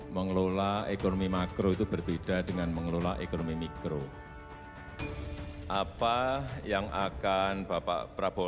mengelola ekonomi makro itu berbeda dengan mengelola ekonomi mikro apa yang akan bapak prabowo